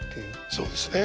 そうですね。